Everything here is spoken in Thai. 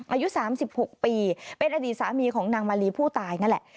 อายุ๓๖ปีเป็นอดีตสามีของนางมาลีผู้ตายนั่นแหละ